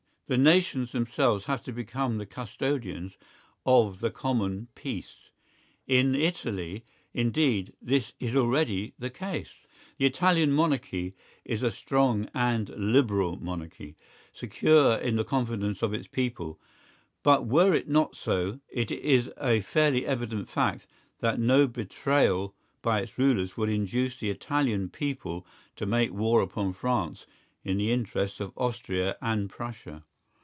The nations themselves have to become the custodians of the common peace. In Italy, indeed, this is already the case. The Italian monarchy is a strong and Liberal monarchy, secure in the confidence of its people; but were it not so, it is a fairly evident fact that no betrayal by its rulers would induce the Italian people to make war upon France in the interests of Austria and Prussia.